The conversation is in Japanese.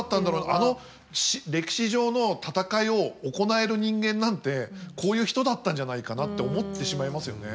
あの歴史上の戦いを行える人間なんてこういう人だったんじゃないかなって思ってしまいますよね。